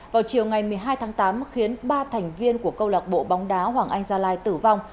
vào chiều ngày một mươi hai tháng tám khiến ba thành viên của câu lạc bộ bóng đá hoàng anh gia lai tử vong